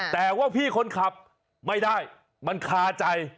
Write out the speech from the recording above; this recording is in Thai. แต่ว่าพี่คนขับไม่ได้มันคาใจ